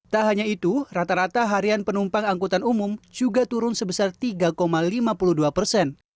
tak hanya itu rata rata harian penumpang angkutan umum juga turun sebesar tiga lima puluh dua persen